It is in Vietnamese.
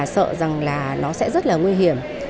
sợ rằng nó sẽ rất nguy hiểm